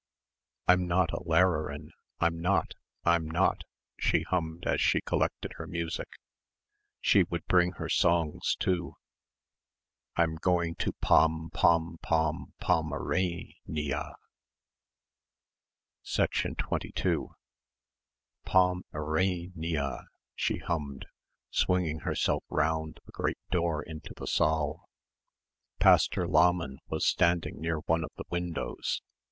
"I'm not a Lehrerin I'm not I'm not," she hummed as she collected her music ... she would bring her songs too.... "I'm going to Pom pom pom Pom erain eeya." 22 "Pom erain eeya," she hummed, swinging herself round the great door into the saal. Pastor Lahmann was standing near one of the windows.